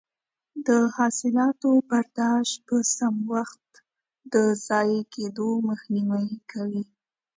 د حاصلاتو برداشت په سم وخت د ضایع کیدو مخنیوی کوي.